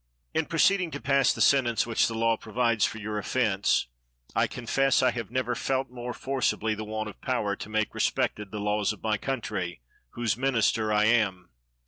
In proceeding to pass the sentence which the law provides for your offence, I confess I never felt more forcibly the want of power to make respected the laws of my country, whose minister I am.